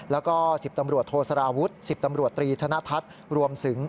แล้วก็๑๐ตำรวจโทษสารวุฒิ๑๐ตำรวจตรีธนทัศน์รวมถึง